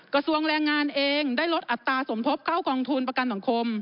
กระทรวงแรงงานเองได้ลดอัตราสมทบเข้ากองทุนประกันสังคม